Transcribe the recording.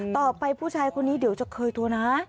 ต่อไปผู้ชายคนนี้เดี๋ยวจะเคยโทรนะ